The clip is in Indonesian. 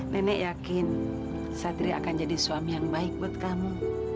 nenek yakin satria akan jadi suami yang baik buat kamu